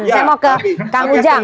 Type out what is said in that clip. saya mau ke kang ujang